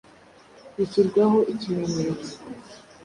bushyirwaho ikimenyetso